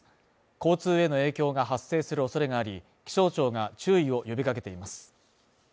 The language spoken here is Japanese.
交通への影響が発生する恐れがあり気象庁が注意を呼びかけています。